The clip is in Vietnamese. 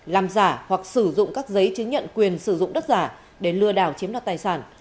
làm giả hoặc sử dụng các giấy chứng nhận quyền sử dụng đất giả để lừa đảo chiếm đoạt tài sản